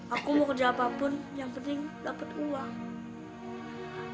aku mau kerja apapun yang penting dapat uang